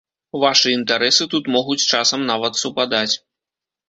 Вашы інтарэсы тут могуць часам нават супадаць.